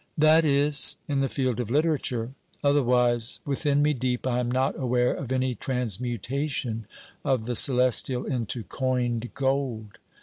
'That is, in the field of literature. Otherwise, within me deep, I am not aware of any transmutation of the celestial into coined gold.